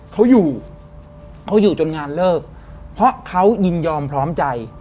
เขาอยู่เขาอยู่จนงานเลิกเพราะเขายินยอมพร้อมใจ